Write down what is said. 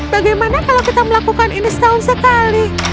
bagaimana kalau kita melakukan ini setahun sekali